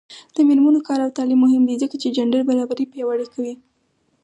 د میرمنو کار او تعلیم مهم دی ځکه چې جنډر برابري پیاوړې کوي.